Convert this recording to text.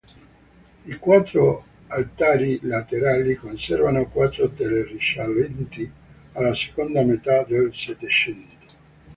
I quattro altari laterali conservano quattro tele risalenti alla seconda metà del Settecento.